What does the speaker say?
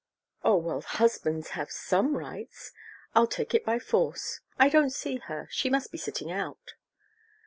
"Oh, well, husbands have some rights. I'll take it by force. I don't see her she must be sitting out."